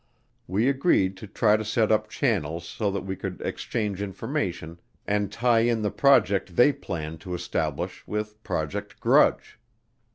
We agreed to try to set up channels so that we could exchange information and tie in the project they planned to establish with Project Grudge.